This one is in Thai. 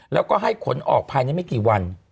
แล้วก็ให้ขนออกภายในไม่กี่วัน